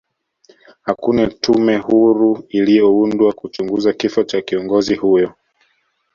hakuna tume huru iliyoundwa kuchunguza kifo cha kiongozi huyo